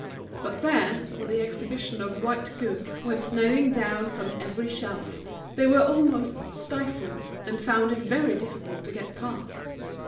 But there, where the exhibition of white goods was snowing down from every shelf, they were almost stifled, and found it very difficult to get past.